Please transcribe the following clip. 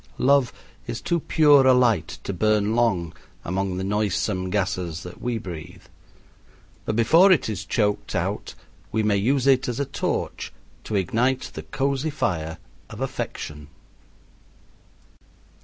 Love is too pure a light to burn long among the noisome gases that we breathe, but before it is choked out we may use it as a torch to ignite the cozy fire of affection.